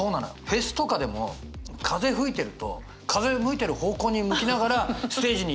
フェスとかでも風吹いてると風向いてる方向に向きながらステージに移動なわけよ。